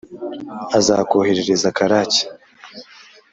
aza ko kohereza karake